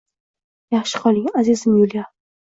Yaxshi qoling, azizam Yuliya.